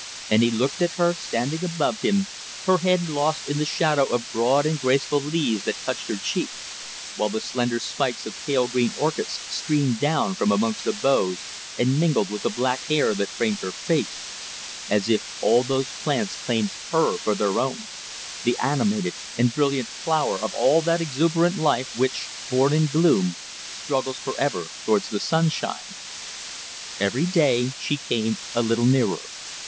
And he looked at her, standing above him, her head lost in the shadow of broad and graceful leaves that touched her cheek; while the slender spikes of pale green orchids streamed down from amongst the boughs and mingled with the black hair that framed her face, as if all those plants claimed her for their own the animated and brilliant flower of all that exuberant life which, born in gloom, struggles for ever towards the sunshine. Every day she came a little nearer.